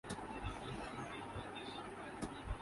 میں بھی ٹھیک۔ اور کیا کر رہے ہیں؟